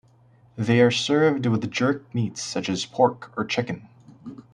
They are served with jerked meats such as pork or chicken.